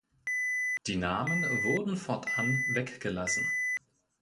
Die Namen wurden fortan weggelassen.